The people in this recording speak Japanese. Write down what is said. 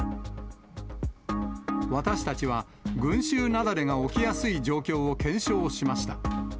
私たちは、群衆雪崩が起きやすい状況を検証しました。